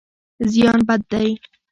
زیان بد دی.